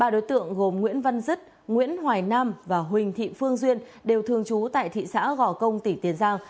ba đối tượng gồm nguyễn văn dứt nguyễn hoài nam và huỳnh thị phương duyên đều thương chú tại thị xã gò công tỉnh tiền giang